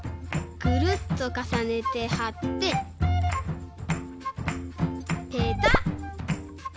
ぐるっとかさねてはってペタッ！